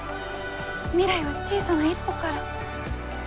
未来は小さな一歩から。